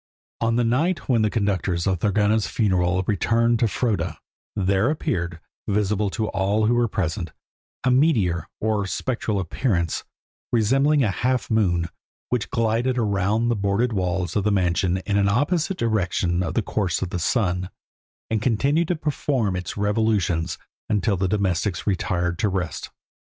On the night when the conductors of Thorgunna's funeral returned to Froda, there appeared, visible to all who were present, a meteor, or spectral appearance, resembling a half moon, which glided around the boarded walls of the mansion in an opposite direction to the course of the sun, and continued to perform its revolutions until the domestics retired to rest.